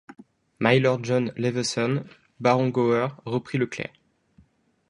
Mylord John Leveson, baron Gower, reprit le clerc.